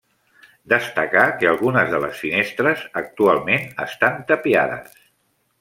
Destacar que algunes de les finestres actualment estan tapiades.